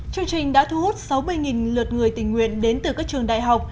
chương trình đã thu hút sáu mươi lượt người tình nguyện đến từ các trường đại học